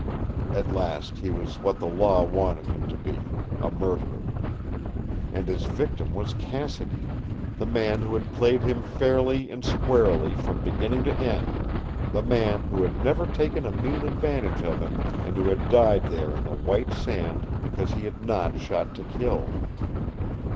At last he was what the law wanted him to be a murderer. And his victim was Cassidy the man who had played him fairly and squarely from beginning to end, the man who had never taken a mean advantage of him, and who had died there in the white sand because he had not shot to kill.